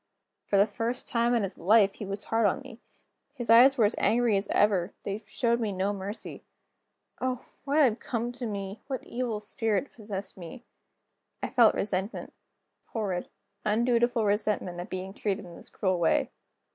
For the first time in his life, he was hard on me. His eyes were as angry as ever; they showed me no mercy. Oh, what had come to me? what evil spirit possessed me? I felt resentment; horrid, undutiful resentment, at being treated in this cruel way.